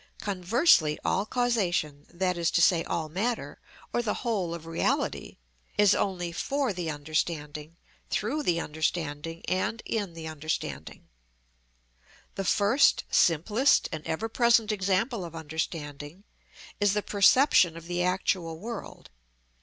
Conversely all causation, that is to say, all matter, or the whole of reality, is only for the understanding, through the understanding, and in the understanding. The first, simplest, and ever present example of understanding is the perception of the actual world.